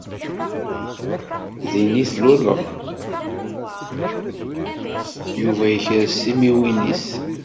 Yuba yekres timiwin-is.